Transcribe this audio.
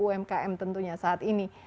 umkm tentunya saat ini